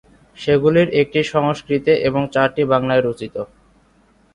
সেগুলির একটি সংস্কৃতে এবং চারটি বাংলায় রচিত।